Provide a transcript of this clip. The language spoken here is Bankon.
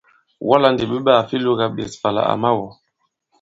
Wɔ lā ndì ɓe ɓaà fe lōgā ɓěs ifà àlà à ma-wɔ̃!